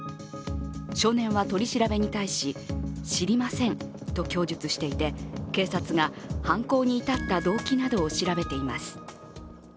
少年は取り調べに対し、知りませんと供述していて警察が犯行に至った動機などを調べています。